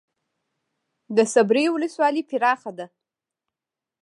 د صبریو ولسوالۍ پراخه ده